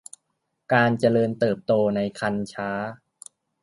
การเจริญเติบโตในครรภ์ช้า